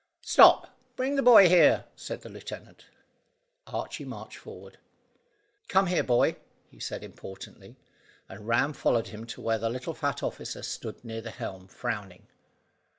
"Stop. Bring the boy here," said the lieutenant. Archy marched forward. "Come here, boy," he said importantly; and Ram followed him to where the little fat officer stood near the helm, frowning.